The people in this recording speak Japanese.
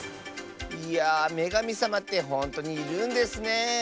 いやめがみさまってほんとにいるんですねえ。